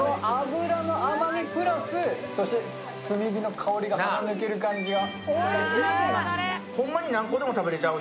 この脂の甘さプラス炭火の香りが鼻抜ける感じが。